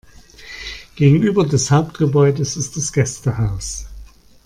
Gegenüber des Hauptgebäudes ist das Gästehaus.